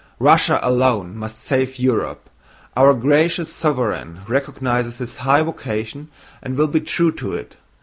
Russia alone must save Europe. Our gracious sovereign recognizes his high vocation and will be true to it.